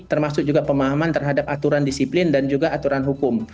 termasuk juga pemahaman terhadap aturan disiplin dan juga aturan hukum